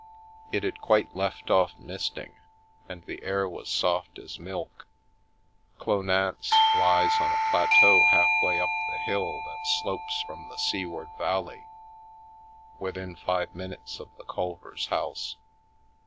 It had quite left off misting, and the air was soft as milk. Clownance lies on a plateau half way up the hill that slopes from the seaward valley, within five minutes of the Culvers' house.